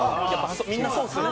みんなそうですよね。